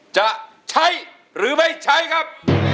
จะใช้หรือไม่ใช้ครับ